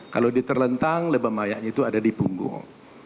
kalau diterlentang lebam mayatnya itu ada di punggung